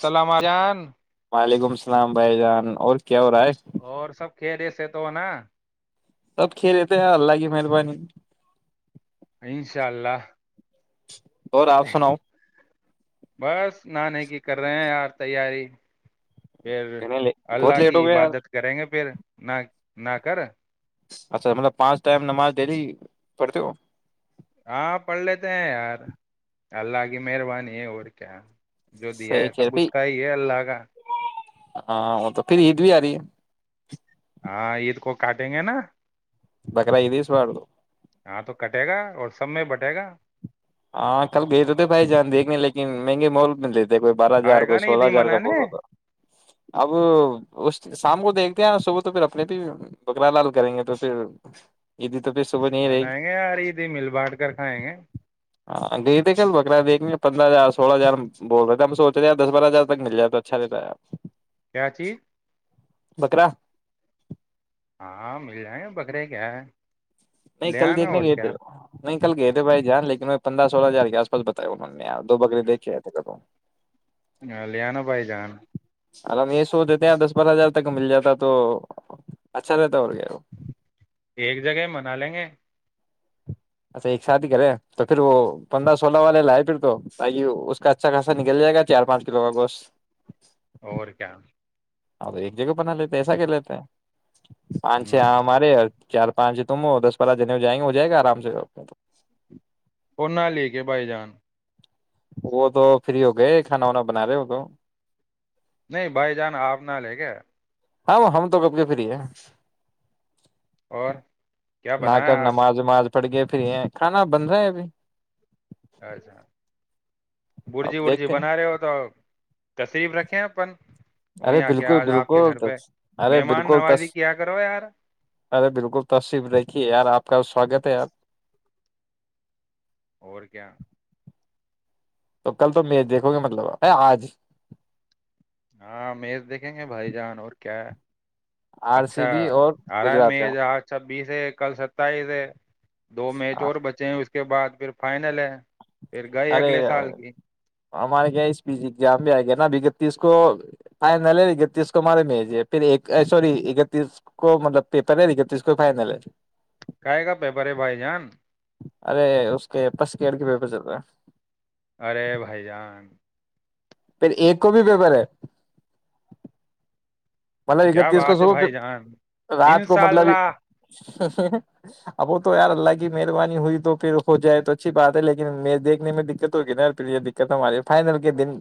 سلامہ جان اسلام بائی جان اور کیا ہو رہا ہے کہ خیریت سے تو ن سب خیریت ہیں اللہ کی مہربانی انشاء اللہ اور آپ سناؤ بس نے کی کر رہے ہیں یار تیاری پھر کہنے لے بہت اللہ لیٹ کی ہو گیا یار عبادت کریں گے پھر نہ نہ کر اچھا مطلب پانچ ٹائم نماز ڈیلی پڑتی ہو ہاں پڑھ لیتے ہیں یار اللہ کی مہربانی ہے اور کیا جو دیا صحیح ہے کہہ سب اس رہی کا ہی ہے اللہ کا ہاں وہ تو پھر عید بھی آ رہ ہے ہاں عید کو کاٹیں گے نا بکرائی دیس والڑ دو ہاں تو کٹے گا اور سب میں بٹے گا ہاں کل گئے تو تھے بھائی جان دیکھنے لگ کے میںے مول بند کوئی بارہ ہزار آئے کوئی گا نا عید سولہ ہی ہزار کا ب منانے ہوگ اب اس شام کو دیکھتے ہیں نا صبح تو پھر اپنے بھی بکرا لال کریں گے تو پھر عید منائیں گے یار عید مل بانٹ کر کھائیں گے ہاں گئے تھے کل بکرا دیکھ پندرہ ہزار سولہ ہزار بول رہے تھ ہم سوچ رہے دس بارہ ہزار تک مل جائے تو اچھا رہتا ہےب کیا تھی بکرا ہاں مل جائیں بکرے کیا ہے نہیں لے کل آنا دیکھنے اور گئے تھے کیا نہیں کل گئے تھے بھائی جان ل کے وں پندرہ سولہ ہزار کے آس پا بتایا انہوں نے دو بکرے دیکےئے تھے کوں ہاں لیانا بائی جان آر یہ سو دیتے ہیں دس بارہ ہزار تک مل جاتا تو اچھا رہتا اور کیا ایک جگہ منا لیں گے اچھا ایک ساتھ ہی کرے تو پھر وہ پندرہ سولہ والے لائے پھر تو تاک اس کا اچھا خاصا نکل جائے گا چار پانچ کلو کا گوشت اور کیا ا ایک جگہ پر نہ لیتے ایسا کہ لیتے ہیں پانچ ہوں ہاں مارے چار پانچ تم دس بارہ جنے ہو جائیں گے ہو جائے گا آرام سے اور نہ لے کے بائی جان وہ تو فری ہو گئے کھانا وانا بنا رہے وہ تو نہیں بھائی جان آپ نہ لے کے ہاں ہم تو کب کے فری ہیں اور کیا نہ بنایا کر آج نماز وماز پڑ گیا پھر یہ کھانا بند رہا ہے ابھی اچھا اب برجی رجی دیکھتے ہیں بنا رہے ہو تو تشریف رکھیں اپن ارے وہیں کیا بالکل آج آپ کے بالکل گھر پہ تس ارے مہمان بالکل نوازی تس کیا کرو یار ارے بالکل تشریف دیکھیے یار آپ کا سواگت ہے آپ اور کیا تو کل تو م دیکھو گے مطلب ا آج ہاں مز دیکھیں گے بھائی جان اور کیا ہے آر اچھا سی بی اور آ رہا ہے گجرات میں کا جاں بیس ہے کل ستائیس ہے دو میچ اور بچے ہیں اس اس کے بعد پھر فائنل ہے پھر گئے ارے اگلے سال کی ہمار اس پز جبے آ گے نا بگ اکتیس کو فائنل ہے اکتیس کو مارے میں پھر سوری اکتیس کو مطلب پیپر ہے اکتیس کو فائنل ہے کا کا پہپرے بھائی جان ارے اس کے پس کڑ کے پی پہ چل رہا ہے ارے بھائی جان پھر ایک کو بھی پپر ہے مطلب کیا اکتیس کو بات ہے صبح بھائی جان پ رات کو انشاء مطلب اللہ اب وہ تو یار اللہ کی مہربانی ہوئی تو پھر ہو جائے تو اچھی بات ہے لیکن دیکھنے میں دقت ہوگی نا ی پھر یہ دقت ہماری فائنل کے دن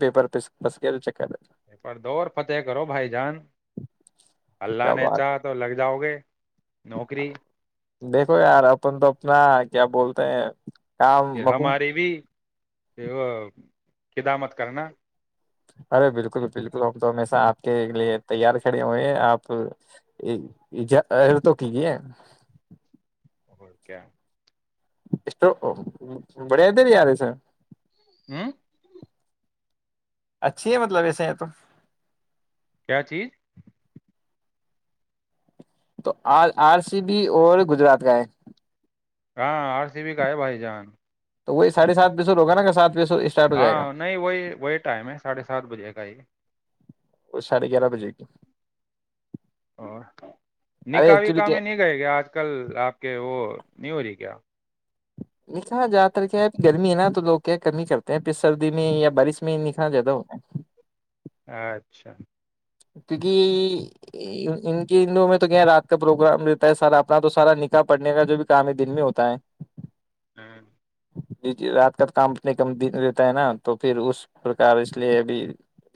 پیپر پ بس کے چکر ہے پر دوور فتح کرو بھائی جان اللہ کیا نے بات چاہ تو لگ جاؤ گے نوکری دیکھو یار اپن تو اپنا کیا بولتے ہیں کام پھر مکم ہماری بھی وہ خدامت کرنا ارے بالکل بالکل ہم تو ہشہ آ لیے تیاری کھڑے ہوئے ہیں آپ تو کیجے ا کیا اس بڑھیا ت نہیں یار ہے سر ہوں اچھی ہے مطلب ایسے ہیں تو کیا چیز تو آ آر سی بی اور گجرات کا ہے ہاں آر سی بھی کا ہے بھائی جان تو وہی ساڑے سات بسوگ نا سات بے سو اسٹارٹ ہو جائے گا ہاں نہیں وہی وہی ٹائم ہے ساڑھے سات بجے کا ہی وہ ساڑھے گیارہ بجے کی ا ارے نکاح ایکچولی وکا کیا میں نہیں گئے گے آج کل آپ کے وہ نہیں ر کیا نکا زیادہ تر کیا ہے گرمی ہے نا تو لوگ کیا کمی ہی کرتے ہیں پھر سردی میں یا بارش میں نکا زیادہ ہوتے ہیں اچھا کیونکہ ان کے دنوں میں تو کیا رات کا پروگرام رہتا ہے سارا اپنا تو سارا نکاح پڑنے کا جو بھی کام ہے دن میں ہوتا ہے ہاں رات کا تو کام اتنے کم دن رہتا ہے نا تو پھر اس پرکار اس لیے ابھی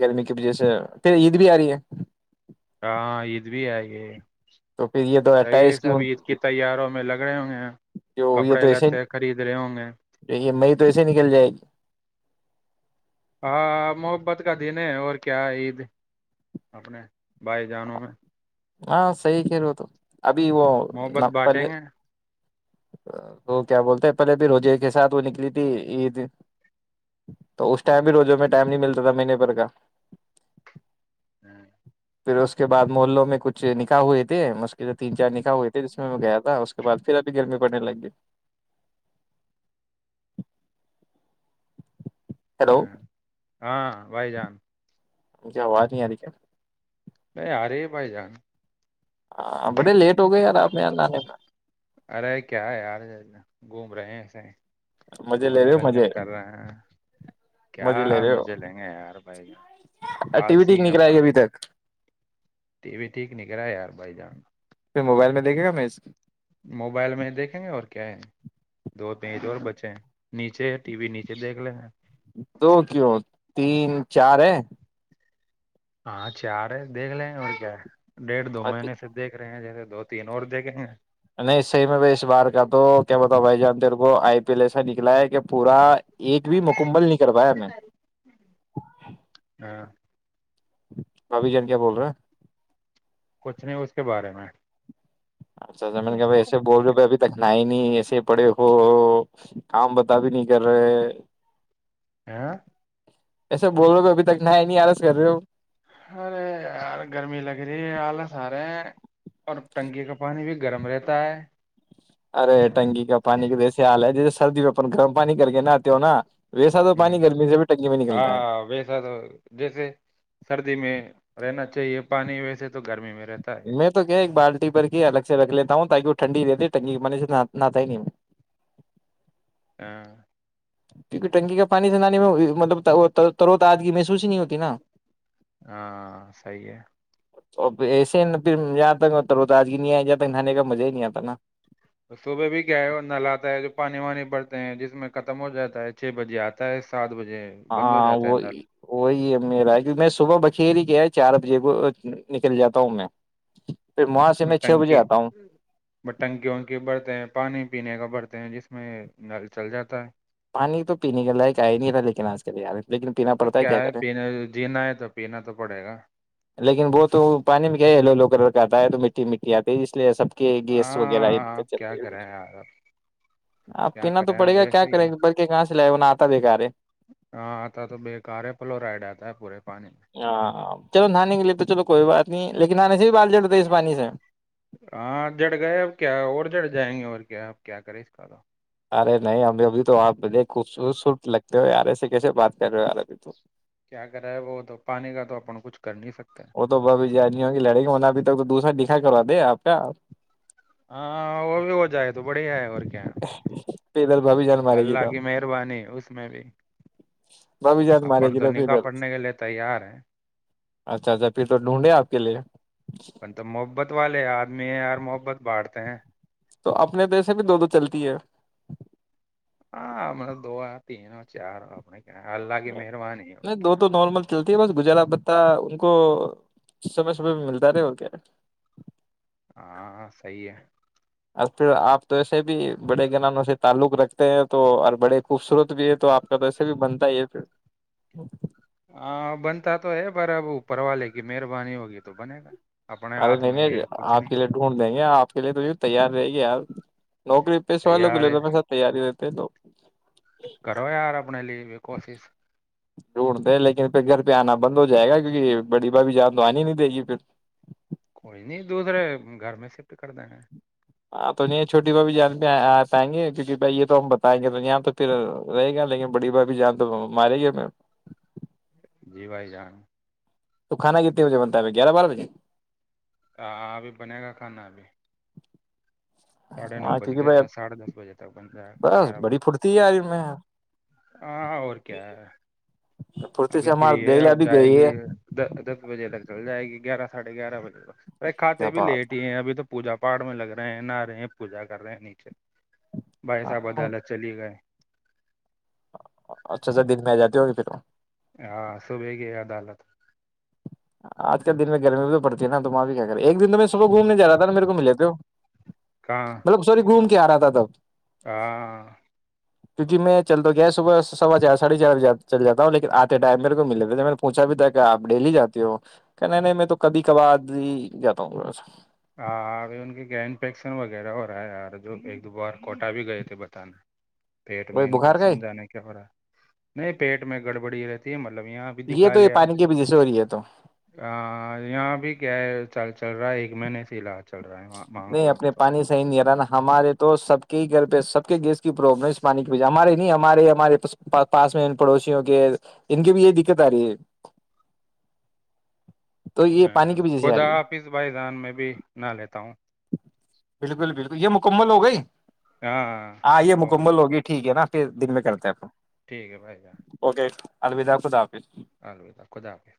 گرمی کی وجہ سے پھرید بھی آ رہی ہے ہاں عید بھی آ یہ تو پھر یہ تو صحیح ہے اٹھائیس سب عید کی تیاروں میں لگ رہے ہوں گے جو یہ کپڑے تو ایسے لیتے خرید رہے ہوں گے توسے نکل جائے گی ہاں محبت کا دن ہے اور کیا عید اپنے بھائی جانوں میں ہاں سی کرو تو ابھی وہ ن محبت پل بانٹیں گے وہ کیا بولتے پہلے بھی روزے کے ساتھ وہ نکلی تھی عید تو اس ٹائم بھی روزے میں ٹائم نہیں ملتا تھا مہینے پر کا ہوں پھر اس کے بعد محلوں میں کچھ نکاح ہوئے تھے اس کے جو تین چار نکاح ہوئے تھے جس میں میں گیا تھا اس کے بعد پھر ابھی گرمی پڑنے لگ گی ہاں ہاں بھائی جان مجھے آواز نہیں آ رہی کیا نہیں آ رہے بھائی جان ہاں بڑے لیٹ ہو گئے یار آپ میں یہاں آنے میں ارے کیا ہے یارنا گھوم رہے ہیں ایسے میں مزے لے رہے ہو منورنجن مزے کر رہے ہیں کیا مزے لے رہے مجھے ہو لیں گے یار بھائی یہ ٹی وی آالسی ٹھیک ہیں نہیں کرائی اپن ابھی تک و ٹیک نگررہ یار بھائی جان پھر موبائل میں دیکھے گا میں اس موبائل میں دیکھیں گے اور کیا ہے دو پیج اور بچے ہیں نیچے ٹی وی نیچے دیکھ لے ہیں تو کیوں تین چار ہے ہاں چار دیکھ لے ا کیا ڈیڑھ دو اور مہینے سے دیکھ رہے ہیں جیسے دوتی ن اورور دیک گا نہیں صحی میں ب اس بار کا تو کیا بتاؤ بھائی جان تیر کو آئی پی ایل ایسا نکلا ہے کہ پورا ایک بھی مکممل نہیں کر پایا ہاں ربھی جان کیا بول رہے ہیں کچھ نہیں اس کے بارے میں اچھا زمین کہ ب ایسے بول رہ ہو ابھی تک نہ ہی نہیں ایسے پڑے ہو تو کام بتا بھی نہیں کر رہے آ ایسے بول رہو ابھی تک نہ ہے نہیں آرس کر رہے ہو ارے یار گرمی لگ رہی ہے آلس آ رہے ہیں اور ٹنکی کا پانی بھی گرم رہتا ہے ارے ٹنکی کا پانی کا جیسے حال ہے جیسے سردی میں اپن گرم پانی کر کے نہ آتے ہو نا ویسا تو ہ پانی گرمی سے بھی ٹنکی میں نکلتا ہے ہاں ویسا تو جیسے سردی میں رہنا چاہیے پانی و سے تو گرمی میں رہتا ہے میں تو کیا ایک بالٹی کے الگ سے رکھ لیتا ہوں تاکہ وہ ٹھنڈی رہتی ٹنگ م سے ہی نہیں ہاں کیونکہ ٹنکی کا پانی سنانے میں مطلب تروت آج کی محسوس ہی نہیں ہوتی نا ہاں صی ہے اورھر ایسے نا پھر جاں تکتا آج نہیں آ جاں تک نہانے کا مزہ ہی نہیں آتا نا صبح بھی کیا ہے نل آتا ہے جو پانی وانی بڑتے ہیں جس میں ختم ہو جاتا ہے چھ بجے آتا ہے سات بجے بند ہو ہاں جاتا ہے نل وہی وہی ہے میرا کیکہ میں صبح بکھیر ہی گیا چار بجے کو نکل جاتا ہوں میں پھر وہاں سے میں چھ بجے بٹنکی آتا ہوں ب ٹنکیوں کے برتے ہیں پانی پینے کا برتن ہیں جس میں نل چل جاتا ہے پانی تو پینے کے لائق آیا نہیں تھا لیکن آج کل ار لیکن پینا تو پڑتا ہے کیا کریں پینا جینا ہے تو پینا تو پڑے گا لیکن وہ تو پانی میں کیا ہے لو لو کلر کا آتا ہے تو مٹی مٹی آتی ہے اس لیے ساب کہ گیس وغیرہ یہ ہاں دقت آپ چل کیا رہی کریں یار آپ آ کیا پینا تو کریں آپ پڑے گا کیا ویسے ہی ہے کرے گا بڑک کہاں سے لائے نہ آتا ب کارے ہاں آتا تو بےیکار ہے فلورائڈ آتا ہے پورے پانی میں ہاں چلو نانن لیے تو چلو کوئی بات نہیں لیکن آنے سے بھی بال جڑتے اس پانی سے ہاں جڑ گئے اب کیا اور جڑ جائیں گے اور کیا اب کیا کریں اس کا تو ارے نہیں ہمیں ابھی تو آپ بے خوبصصوت لگتے ہو یارے سے کیسے بات کر رہے ہو یار ا تو کیا کر رہا ہے وہ تو پانی کا تو اپ کچھ کر نہیں سکتے وہ تو ب ا جج ہوگیڑیں گے انہ ابھی تک تو دوسرا کیا کرا دے آپ کیاپ ہاں وہ بھی ہو جائے تو بڑی ہے اور کیا پھر ادھر بھابھی جان مارے گی اللہ تو کی مہربانی اس میں بھی بھابھی جان مارے اپن گی تو پھر نکاح ادھر پڑنے کے لیے تیار ہے اچھا اچھا پھر تو ڈھونڈے آپ کے لیے پ تو محبت والے آدمی ہیں یار محبت باٹتے ہیں تو اپنے پیسے بھی دو دو چلتی ہے ہاں ہم نے دو ہے تین ہو چار ہم اللہ کی مہربانی ہے اور نہیں دو کیا تو نارمل چلتی بس گجالا پتہ ان کو سمے سمے میں ملتا رہے اور کیا ہاں ہاں صحی ہے اور پھر آپ تو ایسے بھی بڑے گنانوں سے تعلق رکھتے ہیں تو اور بڑے خوبصورت بھی ہے تو آپ کا تو ایسے بھی بنتا ہی ہے پ ہاں بنتا تو ہے پر اب پروا لے گی مہربانی ہوگی تو بنے گا اپنے ارے ہاتھ نہیں میں نہیں یہ کچھ آپ نہیں کے لیے ڈھونڈ دیں گے آپ چلے تو تیار رہے گی نوکری پیشے والوں کے تیار لے ہے تو پیسا تیاری رہتے ہیں ل جچ کرو یار اپنے لی بھی کوشش ڈھونڈتے ہیں لیکن پھر گھر پہ آنا بند ہو جائے گا کیونکہ بڑی بھابھی جان تو آنی نہیں دے گی پھر کوئی نہیں دوسرے گھر میں شفٹ کر دا ہاں تو نہیں چھوٹی بھا بھیھی جان پہ آ پائیں گے کیونکہ بھائی یہ تو ہم بتائیں گے تو یہاں تو پھر رہے گا لیکن بڑی بھھی جان تو مارے گی ہم جی بھائی جان تو کھانا کتنے بجے بنتا ہے گیارہ بارہ بجے ہ ابھی بنے گا کھانا ابھی ساڑھے نو ہاں بج کیونکہ کے بھائی دس ساڑھے دس بجے تک بن جائے گا بس گیارہ ب بڑی پھرتی ہے یار ان میں ہاں اور کیا ہے پھرتی ابھی سے ہمار فری دیکھ ہے لیا اب ابھی جائے گئی گی ہے دس بجے تک چل جائے گی گیارہ ساھے گار بجے تک ارے کیا کھاتے بھی بات لیٹ ہے ہی ہیں ابھی تو پوجا پاڑ میں لگ رہے ہیں نہا رہے ہیں پوجا کر رہے ہیں نیچے بھائی صاحب ہاں ادالت چلی گئے اچھا اچھا دن میں آ جاتی ہوگی پھر ہاں صبح کی عدالت آج ک دن میں گرمی بھی پڑتی ہے نا تم آ بھی کیا کرتے ایک دن تو میں صبح گھومنے جا تھا ن میرے کو ملے تھ ہو کہاں مطلب سوری گھوم کیا آ رہا تھا تب ہاں کیک میں چل تو گیا صبح سوا چار ساڑھے چار بجے چل جاوں لن آتےٹائم میرے کو ملےتا تھا میں نے پوچھا بھی تھا کہ آپ ڈیلی جاتے کہ نہیں میں تو کبھی کبار آد ہی جاتا ہوںا ہاں اب ان کے کیا انفیکشن وغیرہ ہو رہا ہے یار جو ایک دو بار کوٹا بھی گئے تھے بتانا پیٹ وہی میں بخار کا ہی انفیکشن جانے کی ہو رہا ہے نہیں پیٹ میں گڑ [unintelligible] مطلب یہاں بھی یہ دکھا تو یہ لے پانی آپ کی وجہ سے ہو رہی ہے تو ہ یہاں بھی کیا ہے چل چل رہا ہے ایک مہینے فلاات نہیں اپنے پانی صی نہیں ہ رہا نا ہمارے تو سب کئی گھر پہ سب کے گیس کی پرابلم ہے پانی کی وجہ ہمارے نہیں ہمارے ہمارے پاس میں پڑوسیوں کے ان کی بھی یہ دقت آ رہی ہے تو ہ یہ پانی کی وجہ سے آ خودا رہی ہے آفس بھائی جان میں بھی نہ لیتا ہوں بالکل بالکل یہ مکمل ہو گئی ہاں یہ ہو گئی مکمل ہوگی ٹھیک ہے نا پھر دن میں ٹھیک کرتے آپ ٹھیک ہے بھائی اوکے الویدا خدا حافظ الویدا خدا حافظ